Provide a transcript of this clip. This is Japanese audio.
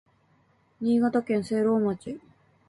新潟県聖籠町